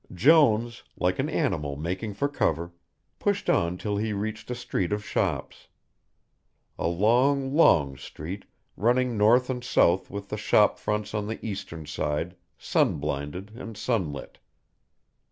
Jones, like an animal making for cover, pushed on till he reached a street of shops. A long, long street, running north and south with the shop fronts on the eastern side, sun blinded and sunlit.